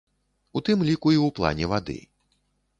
У тым ліку і ў плане вады.